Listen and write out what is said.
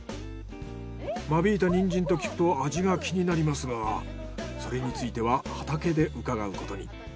間引いたニンジンと聞くと味が気になりますがそれについては畑で伺うことに。